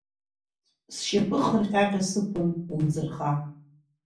Сшьапы хырҟьаҟьа сықәын умӡырха…